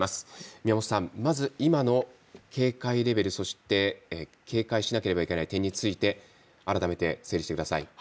宮本さん、まず今の警戒レベル警戒しないといけない点について改めて整理してください。